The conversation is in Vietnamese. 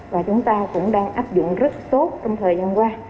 và chúng ta cũng đang áp dụng rất tốt trong thời gian qua